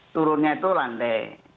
turunnya itu landai